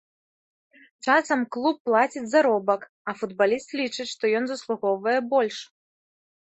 Часам клуб плаціць заробак, а футбаліст лічыць, што ён заслугоўвае больш.